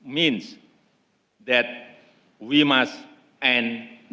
menjadi tanggung jawab di sini